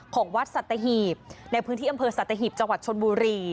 ของวัดสัตเทฮีบในพื้นที่อำเภอสัตเทฮีบจชนบุรี